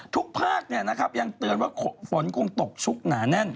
ทุกภาคเนี่ยนะครับยังเตือนว่าฝนคงตกชุกหนาแน่น